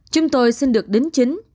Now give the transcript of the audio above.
chúng tôi xin được đính chính